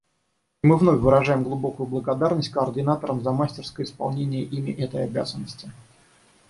И мы вновь выражаем глубокую благодарность координаторам за мастерское исполнение ими этой обязанности.